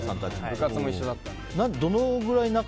部活も一緒だったので。